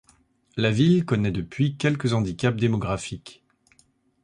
La ville connaît depuis quelques handicaps démographiques.